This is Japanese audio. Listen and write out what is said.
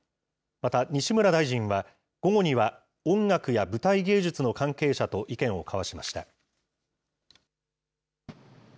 また、西村大臣は午後には、音楽や舞台芸術の関係者と意見を交わしました。